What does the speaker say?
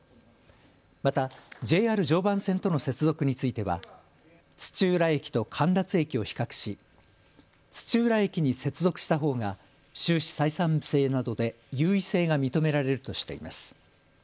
またＪＲ常磐線との接続については土浦駅と神立駅を比較し土浦駅に接続したほうが収支採算性などで優位性が認められるとしています。